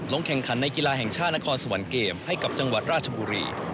แข่งขันในกีฬาแห่งชาตินครสวรรค์เกมให้กับจังหวัดราชบุรี